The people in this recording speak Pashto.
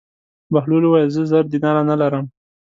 بهلول وویل: زه زر دیناره نه لرم.